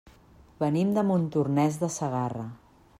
Venim de Montornès de Segarra.